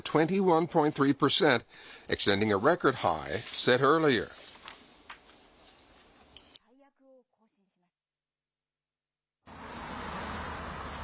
過去最悪を更新しました。